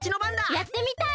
やってみたい！